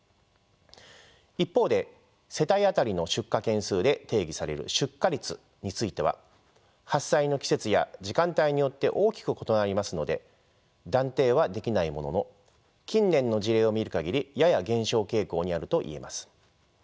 一方で世帯当たりの出火件数で定義される出火率については発災の季節や時間帯によって大きく異なりますので断定はできないものの近年の事例を見る限りやや減少傾向にあるといえます。